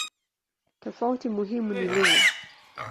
Tofauti muhimu ni lugha.